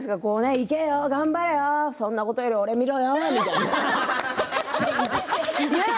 いけよ、頑張れよ、そんなことより俺見ろよって。